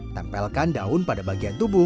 tempelkan daun pada bagian tubuh